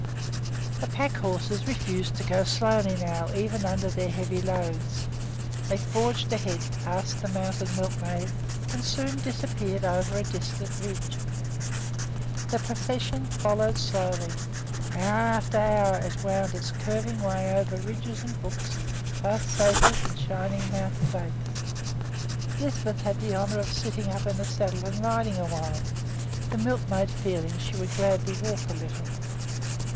The pack horses refused to go slowly now, even under their heavy loads. They forged ahead, passed the mounted milkmaid, and soon disappeared over a distant ridge. The procession followed slowly. Hour after hour it wound its curving way over ridges and brooks, past sæters and shining mountain lakes. Lisbeth had the honor of sitting up in the saddle and riding awhile, the milkmaid feeling that she would gladly walk a little.